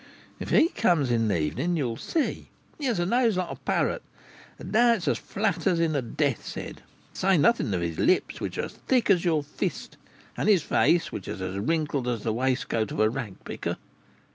"If he comes in this evening, you'll see. He had a nose like a parrot, and now it is as flat as in a death's head; to say nothing of his lips, which are as thick as your fist, and his face, which is as wrinkled as the waistcoat of a rag picker."